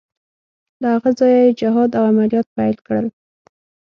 له هغه ځایه یې جهاد او عملیات پیل کړل.